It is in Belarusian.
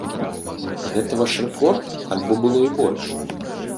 Гэта ваш рэкорд альбо было і больш?